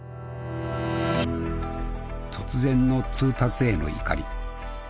突然の通達への怒り。